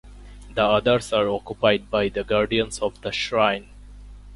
The others are occupied by the guardians of the shrine.